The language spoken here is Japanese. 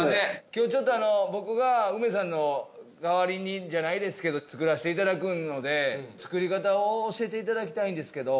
今日ちょっとあの僕が梅さんの代わりにじゃないですけど作らせていただくので作り方を教えていただきたいんですけど。